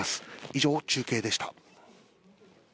以上、中継でした。